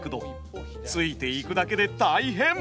ついていくだけで大変。